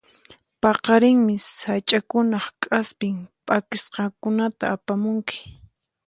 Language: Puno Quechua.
Paqarinmi sach'akunaq k'aspin p'akisqakunata apamunki.